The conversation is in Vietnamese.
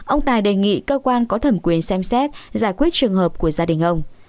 ông tài đề nghị cơ quan có thẩm quyền xem xét giải quyết trường hợp của gia đình ông